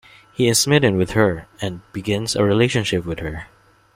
He is smitten with her and begins a relationship with her.